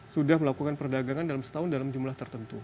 sudah melakukan perdagangan dalam setahun dalam jumlah tertentu